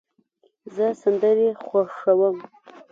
زه سندرې خوښوم.